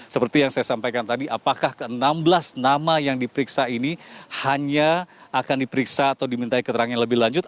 seperti yang saya sampaikan tadi apakah ke enam belas nama yang diperiksa ini hanya akan diperiksa atau diminta keterangan lebih lanjut